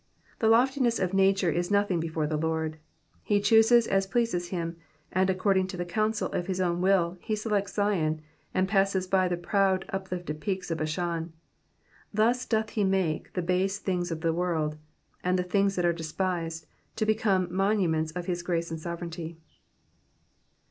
The loftiness of nature is made as nothing before the Lord. He chooses as pleases him, and, according to the counsel of his own will, he selects Zion, and passes by the proud, uplifted peaks of Bashan ; thus doth he make the base things of this world, and things that are despised, to become monuments of his grace and sovereignty.